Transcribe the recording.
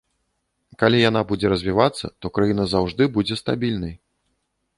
Калі яна будзе развівацца, то краіна заўжды будзе стабільнай.